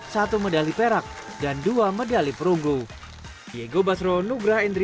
satu medali perak dan dua medali perunggu